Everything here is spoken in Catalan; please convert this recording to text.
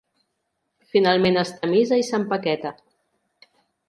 Finalment es tamisa i s'empaqueta.